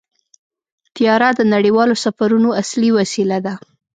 طیاره د نړیوالو سفرونو اصلي وسیله ده.